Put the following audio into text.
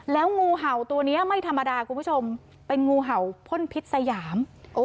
แล้วงูเห่าตัวนี้ไม่ธรรมดาคุณผู้ชมเป็นงูเห่าพ่นพิษสยาม